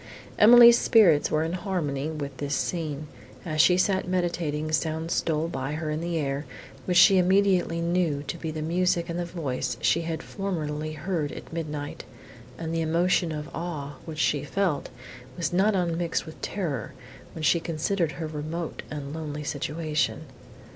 Emily's spirits were in harmony with this scene. As she sat meditating, sounds stole by her on the air, which she immediately knew to be the music and the voice she had formerly heard at midnight, and the emotion of awe, which she felt, was not unmixed with terror, when she considered her remote and lonely situation.